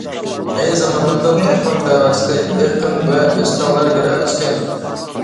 ئەينى زامانلاردا تۇرپان تەۋەسىدە ئېقىن ۋە ئۆستەڭلەر گىرەلەشكەن.